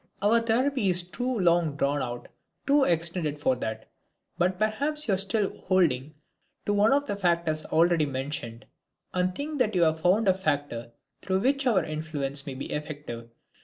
Our therapy is too long drawn out, too extended for that. But perhaps you are still holding to one of the factors already mentioned, and think that you have found a factor through which our influence may be effective.